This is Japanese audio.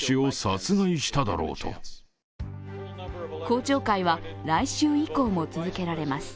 公聴会は来週以降も続けられます。